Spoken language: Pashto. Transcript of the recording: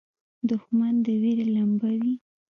دښمن د وېرې لمبه وي